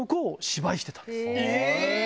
え！